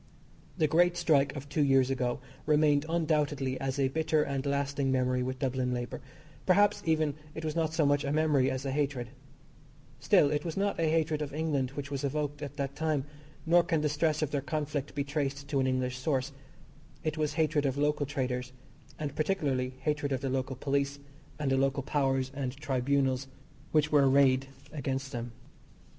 The great strike of two years ago remained undoubtedly as a bitter and lasting memory with Dublin labour perhaps, even, it was not so much a memory as a hatred. Still, it was not hatred of England which was evoked at that time, nor can the stress of their conflict be traced to an English source. It was hatred of local traders, and, particularly, hatred of the local police, and the local powers and tribunals, which were arrayed against them.